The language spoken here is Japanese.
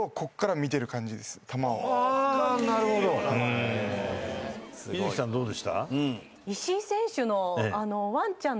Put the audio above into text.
観月さんどうでした？